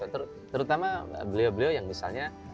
terutama beliau beliau yang misalnya